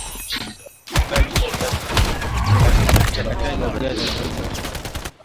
uchakataji wa viazi huongeza thamani ya viazi